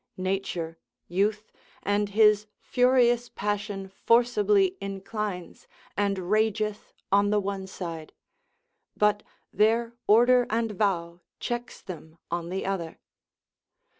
Nature, youth, and his furious passion forcibly inclines, and rageth on the one side; but their order and vow checks them on the other.